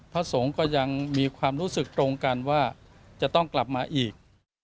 พระสงฆ์ก็ยังมีความรู้สึกตรงกันว่าจะต้องกลับมาอีก